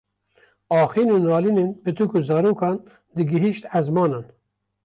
axîn û nalînên pitik û zarokan digihîşt ezmanan